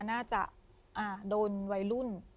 น่าจะโดนวัยรุ่น